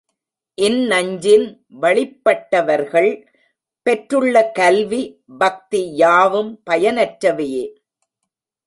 இந்நஞ்சின் வழிப்பட்டவர்கள் பெற்றுள்ள கல்வி, பக்தி யாவும் பயனற்றவையே.